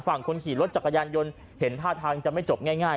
ฝั่งคนขี่รถจักรยานยนต์เห็นท่าทางจะไม่จบง่าย